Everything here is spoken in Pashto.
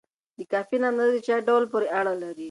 د کافین اندازه د چای ډول پورې اړه لري.